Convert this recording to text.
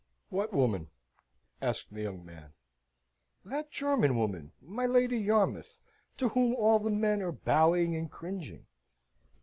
"What woman?" asked the young man. "That German woman my Lady Yarmouth to whom all the men are bowing and cringing."